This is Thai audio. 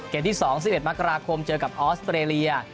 ที่๒๑๑มกราคมเจอกับออสเตรเลีย